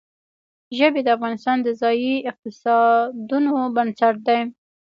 ژبې د افغانستان د ځایي اقتصادونو بنسټ دی.